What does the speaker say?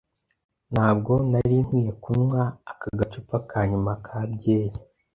Ntabwo nari nkwiye kunywa ako gacupa ka nyuma ka byeri.